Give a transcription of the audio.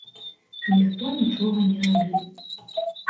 Ніхто нічога не рабіў.